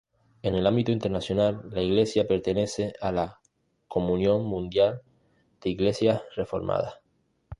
En el ámbito internacional, la iglesia pertenece a la Comunión Mundial de Iglesias Reformadas.